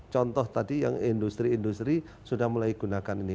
contoh tadi yang industri industri sudah mulai gunakan ini